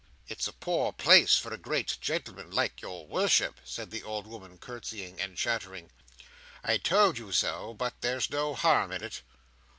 "It's a poor place for a great gentleman like your worship," said the old woman, curtseying and chattering. "I told you so, but there's no harm in it."